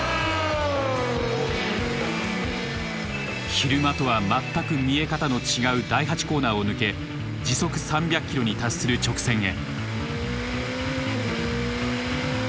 昼間とは全く見え方の違う第８コーナーを抜け時速３００キロに達する直線へ。